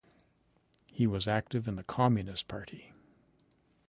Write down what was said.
He was active in the Communist Party.